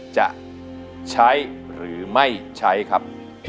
จะใช้หรือไม่ใช้ครับ